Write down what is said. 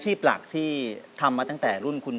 เพื่อจะไปชิงรางวัลเงินล้าน